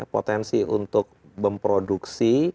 potensi untuk memproduksi